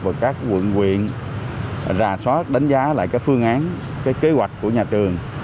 và các quận quyện ra soát đánh giá lại các phương án kế hoạch của nhà trường